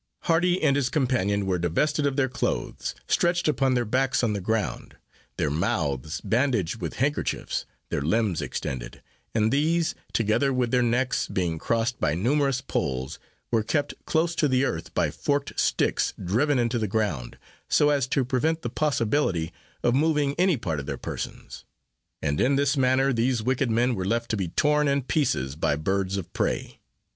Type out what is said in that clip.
Hardy and his companion were divested of their clothes, stretched upon their backs on the ground; their mouths bandaged with handkerchiefs their limbs extended and these, together with their necks, being crossed by numerous poles, were kept close to the earth by forked sticks driven into the ground, so as to prevent the possibility of moving any part of their persons; and in this manner these wicked men were left to be torn in pieces by birds of prey.